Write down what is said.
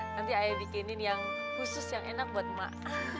nanti aya bikinin yang khusus yang enak buat mak